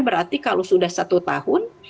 berarti kalau sudah satu tahun